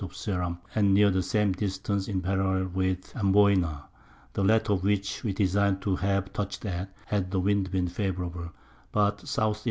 of Ceram, and near the same Distance in a parallel with Amboyna; the latter of which we design'd to have touch'd at, had the Wind been favourable; but the S.